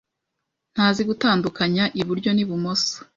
Ntazi gutandukanya iburyo n'ibumoso.